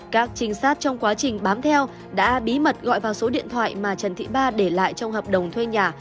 các trinh sát trong quá trình bám theo đã bí mật gọi vào số điện thoại mà trần thị ba để lại trong hợp đồng thuê nhà